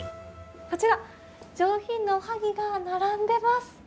こちら、上品なおはぎが並んでます。